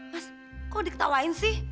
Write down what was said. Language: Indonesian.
mas kok diketawain sih